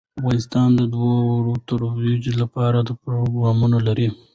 افغانستان د واوره د ترویج لپاره پروګرامونه لري.